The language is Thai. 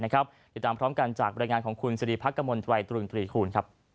ติดตามพร้อมกันจากรายงานของคุณสิริภักรกรมไตว์ตุลุงตรีคูณ